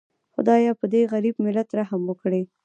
خدایه پدې غریب ملت رحم وکړي